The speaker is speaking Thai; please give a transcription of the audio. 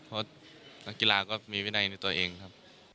เพราะนักกีฬาก็มีวินัยในตัวเองครับ